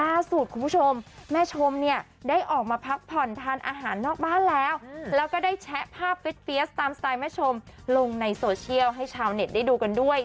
คุณผู้ชมแม่ชมเนี่ยได้ออกมาพักผ่อนทานอาหารนอกบ้านแล้วแล้วก็ได้แชะภาพเฟียสตามสไตล์แม่ชมลงในโซเชียลให้ชาวเน็ตได้ดูกันด้วย